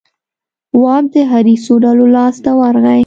واک د حریصو ډلو لاس ته ورغی.